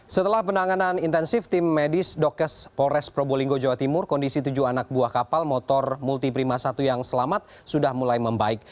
setelah penanganan intensif tim medis dokes polres probolinggo jawa timur kondisi tujuh anak buah kapal motor multiprima satu yang selamat sudah mulai membaik